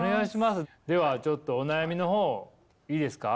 ではちょっとお悩みの方いいですか？